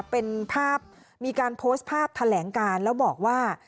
เป็นภาพมีการโพสต์ภาพแถลงการแล้วบอกว่า